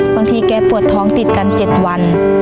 บางทีแกปวดท้องติดกันเจ็ดวัน